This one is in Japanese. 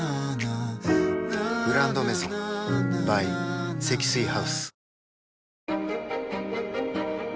「グランドメゾン」ｂｙ 積水ハウス